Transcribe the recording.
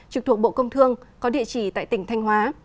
trực thuộc bộ công thương có địa chỉ tại tỉnh thanh hóa